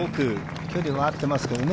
距離は合ってますけどね。